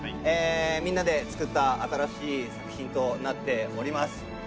みんなで作った新しい作品となっております